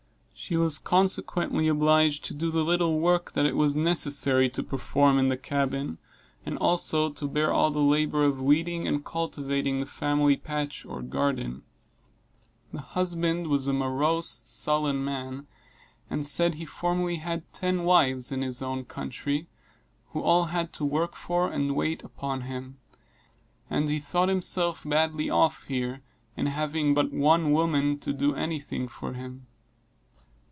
She was consequently obliged to do the little work that it was necessary to perform in the cabin; and also to bear all the labor of weeding and cultivating the family patch or garden. The husband was a morose, sullen man, and said he formerly had ten wives in his own country, who all had to work for, and wait upon him; and he thought himself badly off here, in having but one woman to do any thing for him.